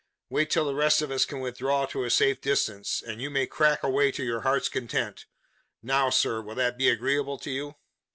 Wait till the rest of us can withdraw to a safe distance; and you may crack away to your heart's content. Now, sir, will that be agreeable to you?"